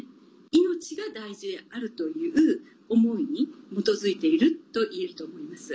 命が大事であるという思いに基づいていると言えると思います。